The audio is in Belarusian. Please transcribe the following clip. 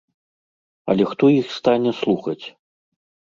Але хто іх стане слухаць?